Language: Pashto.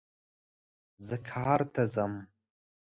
زه کار ته ځم